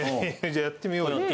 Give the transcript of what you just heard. じゃあやってみよう。